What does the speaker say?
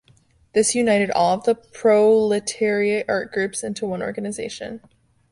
This united all of the proletariat art groups into one organization.